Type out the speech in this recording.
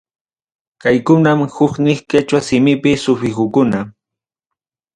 Kaykunam huknin quechua simipi sufijukuna.